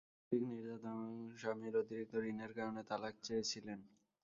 তিনি শারীরিক নির্যাতন এবং স্বামীর অতিরিক্ত ঋণের কারণে তালাক চেয়েছিলেন।